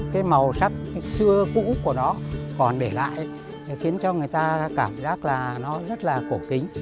cái màu sắc xưa cũ của nó còn để lại khiến cho người ta cảm giác là nó rất là cổ kính